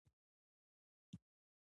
د عددونو ژبه په ادارو کې ګټوره شوه.